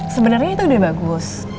sebenernya itu udah bagus